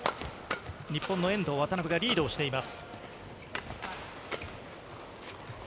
日本の遠藤・渡辺がリードをしています。